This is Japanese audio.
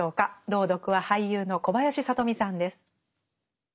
朗読は俳優の小林聡美さんです。